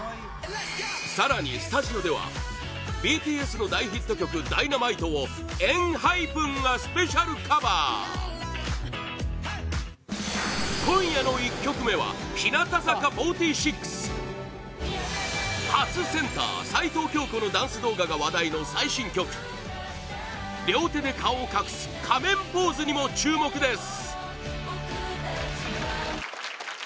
更に、スタジオではＢＴＳの大ヒット曲「Ｄｙｎａｍｉｔｅ」をＥＮＨＹＰＥＮがスペシャルカバー今夜の１曲目は日向坂４６初センター、齊藤京子のダンス動画が話題の最新曲両手で顔を隠す仮面ポーズにも注目です